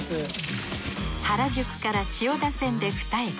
原宿から千代田線でふた駅。